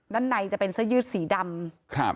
ด้านในจะเป็นเสื้อยืดสีดำครับ